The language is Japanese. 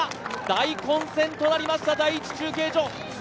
大混戦となりました、第１中継所。